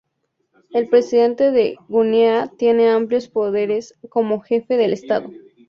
El presidente de Guinea tiene amplios poderes como Jefe del Estado.